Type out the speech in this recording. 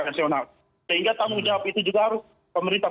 nasional sehingga tanggung jawab itu juga harus pemerintah